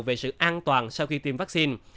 về sự an toàn sau khi tiêm vaccine